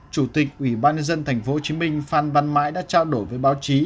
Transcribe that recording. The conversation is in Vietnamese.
chủ tịch ủy ban nhân dân tp hcm phan văn mãi đã trao đổi với báo chí